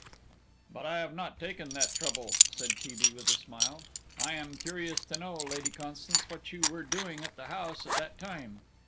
"But I have not taken that trouble," said T. B. with a smile. "I am curious to know, Lady Constance, what you were doing in the house at that time.